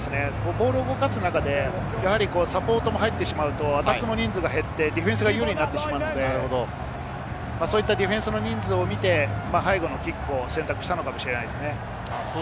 ボールを動かす中でサポートに入ってしまうとディフェンスが有利になってしまうので、ディフェンスの人数を見て、背後のキックを選択したのかもしれないですね。